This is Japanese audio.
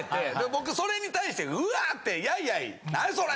僕それに対してうわってやいやい何それ！